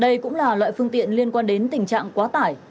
đây cũng là loại phương tiện liên quan đến tình trạng quá tải